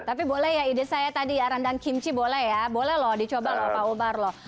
tapi boleh ya ide saya tadi ya rendang kimchi boleh ya boleh loh dicoba loh pak umar loh